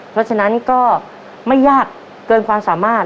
เพราะฉะนั้นก็ไม่ยากเกินความสามารถ